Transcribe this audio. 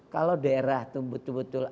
kalau daerah itu betul betul